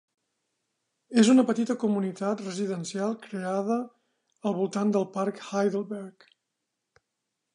És una petita comunitat residencial creada al voltant del Parc Heidelberg.